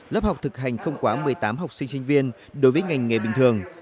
lớp học thực hành không quá một mươi tám học sinh sinh viên đối với ngành nghề bình thường